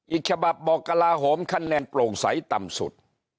อีกฉบับบอกกระลาโหมคะแนนโปร่งใสต่ำสุด